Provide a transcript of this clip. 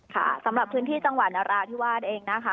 ค่ะสำหรับพื้นที่จังหวัดนราธิวาสเองนะคะ